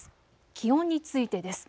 気温についてです。